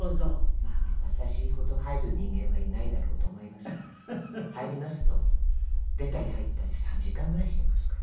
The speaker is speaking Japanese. まあ私ほど入る人間はいないだろうと思いますが入りますと出たり入ったり３時間ぐらいしてますから。